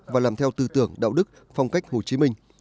và làm theo tư tưởng đạo đức phong cách hồ chí minh